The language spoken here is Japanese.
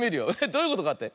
どういうことかって？